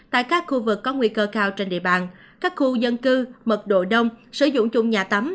tại các khu vực có nguy cơ cao trên địa bàn các khu dân cư mật độ đông sử dụng chung nhà tắm